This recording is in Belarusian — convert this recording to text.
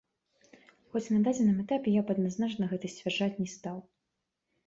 Хоць на дадзеным этапе я б адназначна гэта сцвярджаць не стаў.